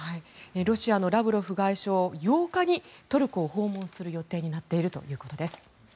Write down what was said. ロシアのラブロフ外相８日にトルコを訪問する予定となっているということです。